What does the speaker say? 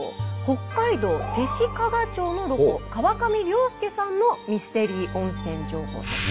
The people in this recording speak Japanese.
北海道弟子屈町のロコ川上椋輔さんのミステリー温泉情報です。